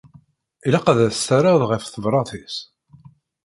Ilaq ad as-terreḍ ɣef tebṛat-is.